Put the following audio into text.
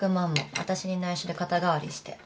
私にないしょで肩代わりして。